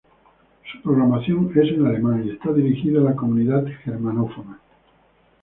Su programación es en alemán y está dirigida a la comunidad germanófona.